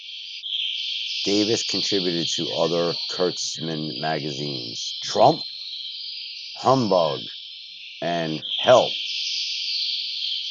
Davis contributed to other Kurtzman magazines-"Trump", "Humbug" and "Help!